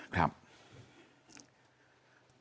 ครับ